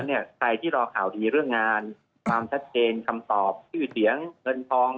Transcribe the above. ใครที่รอข่าวดีเรื่องงานความชัดเจนคำตอบชื่อเสียงเงินทอง